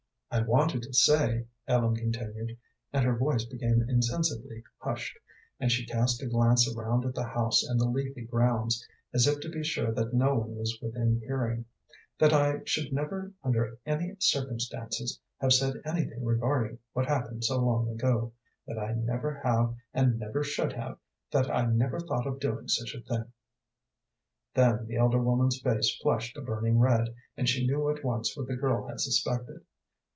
"I wanted to say," Ellen continued and her voice became insensibly hushed, and she cast a glance around at the house and the leafy grounds, as if to be sure that no one was within hearing "that I should never under any circumstances have said anything regarding what happened so long ago. That I never have and never should have, that I never thought of doing such a thing." Then the elder woman's face flushed a burning red, and she knew at once what the girl had suspected.